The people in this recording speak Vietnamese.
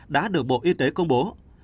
đã được bộ y tế công bố